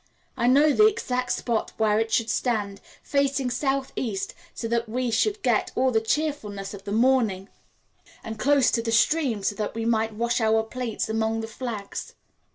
I know the exact spot where it should stand, facing south east, so that we should get all the cheerfulness of the morning, and close to the stream, so that we might wash our plates among the flags.